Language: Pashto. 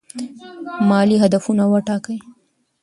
مالي هدفونه وټاکئ.